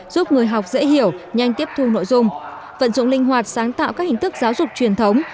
giúp người học dễ hiểu nhanh tiếp thu nội dung vận dụng linh hoạt sáng tạo các hình thức giáo dục truyền thống